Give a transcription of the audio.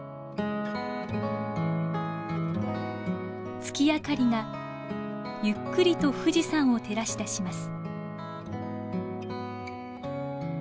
月明かりがゆっくりと富士山を照らしだします。